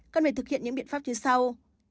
cần phải thực hiện những biện pháp như sau